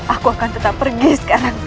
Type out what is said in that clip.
aku akan tetap pergi sekarang